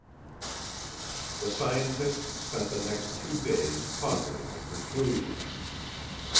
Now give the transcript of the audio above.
The scientists spent the next two days pondering a conclusion.